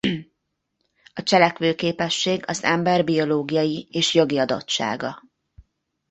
A cselekvőképesség az ember biológiai és jogi adottsága.